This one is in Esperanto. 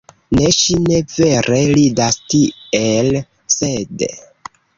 Ne, ŝi ne vere ridas tiel, sed...